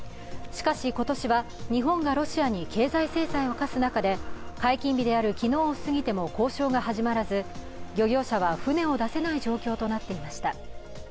しかし、今年は日本がロシアに経済制裁を科す中で解禁日である昨日を過ぎても交渉が始まらず、漁業者は船を出せない状況となっていました。